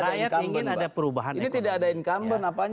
rakyat ingin ada perubahan ekonomi